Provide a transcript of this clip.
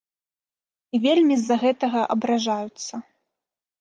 І вельмі з-за гэтага абражаюцца.